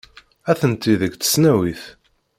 Atenti deg tesnawit.